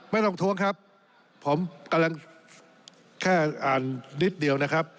ทวงครับผมกำลังแค่อ่านนิดเดียวนะครับ